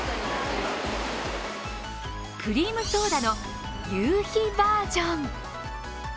クリームソーダの夕日バージョン。